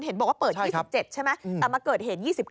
เห็นบอกว่าเปิด๒๗ใช่ไหมแต่มาเกิดเหตุ๒๙